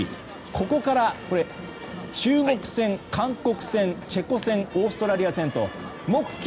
ここから中国戦、韓国戦チェコ戦オーストラリア戦と木金